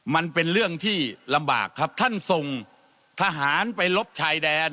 มันเป็นเรื่องที่ลำบากครับท่านส่งทหารไปลบชายแดน